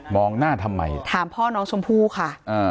หน้าทำไมถามพ่อน้องชมพู่ค่ะ